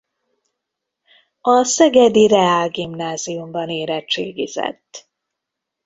A szegedi reálgimnáziumban érettségizett.